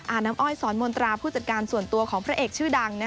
น้ำอ้อยสอนมนตราผู้จัดการส่วนตัวของพระเอกชื่อดัง